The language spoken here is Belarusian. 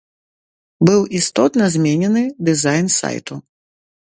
Быў істотна зменены дызайн сайту.